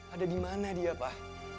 ada dimana dia pak